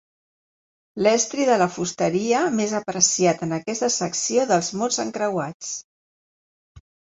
L'estri de la fusteria més apreciat en aquesta secció dels mots encreuats.